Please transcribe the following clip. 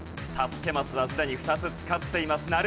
助けマスはすでに２つ使っています。